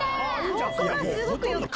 ここがすごくよくて。